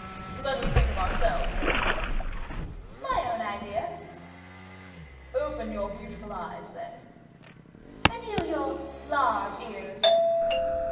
"Let us think of ourselves, then." "My own idea." "Open your beautiful eyes, then." "And you your large ears."